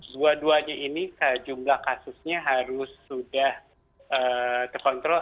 dua duanya ini jumlah kasusnya harus sudah terkontrol